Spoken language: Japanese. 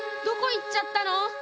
どこいっちゃったの？